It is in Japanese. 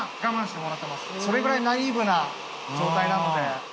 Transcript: それぐらいナイーブな状態なので。